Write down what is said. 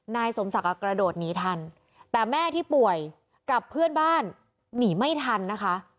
นายสมศักดิ์กระโดดหนีทันแต่แม่ที่ป่วยกับเพื่อนบ้านหนีไม่ทันนะคะ